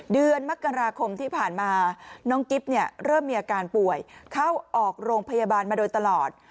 เดือนมกราคมที่ผ่านมาน้องกิ๊บเนี่ยเริ่มมีอาการป่วยเข้าออกโรงพยาบาลมาโดยตลอด